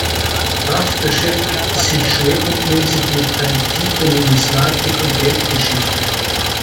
Kraft beschäftigte sich schwerpunktmäßig mit antiker Numismatik und Geldgeschichte.